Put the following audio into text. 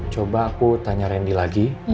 coba aku tanya randy lagi